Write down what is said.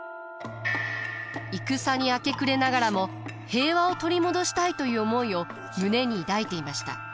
戦に明け暮れながらも平和を取り戻したいという思いを胸に抱いていました。